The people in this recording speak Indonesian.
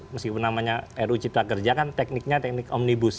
meskipun namanya ru cipta kerja kan tekniknya teknik omnibus